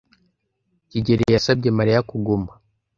kigeli yasabye Mariya kuguma,